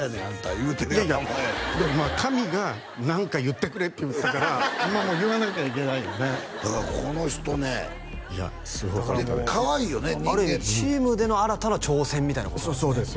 言うてるようなもんやでも神が何か言ってくれって言ったから言わなきゃいけないよねだからこの人ねいやすごかったですでかわいいよね人間ある意味チームでの新たな挑戦みたいなことなんですね？